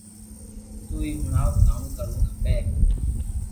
تو ھي ھڻاو ڪاو ڪروُ کپي